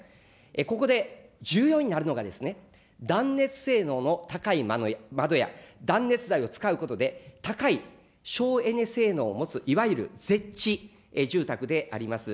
ここで、重要になるのが、断熱性能の高い窓や、断熱材を使うことで、高い省エネ性能を持つ、いわゆる住宅であります。